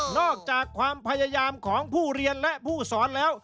อกจากความพยายามของผู้เรียนและผู้สอนแล้ว